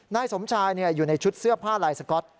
นายสมชายอยู่ในชุดเสื้อผ้าลายสก๊อต